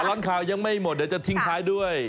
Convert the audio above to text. ตลอดข่าวยังไม่หมดเดี๋ยวจะทิ้งท้ายด้วย